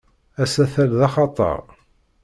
Asatal d axatar.